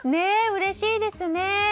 うれしいですね。